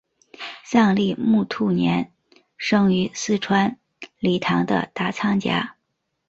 藏历木兔年生于四川理塘的达仓家。